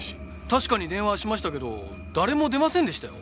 確かに電話はしましたけど誰も出ませんでしたよ。